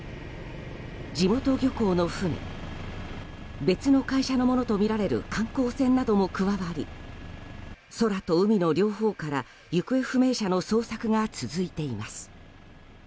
地元漁港の船別の会社のものとみられる観光船なども加わり空と海の両方から行方不明者の捜索が続いています。